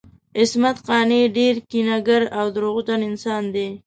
عصمت قانع ډیر کینه ګر او درواغجن انسان دی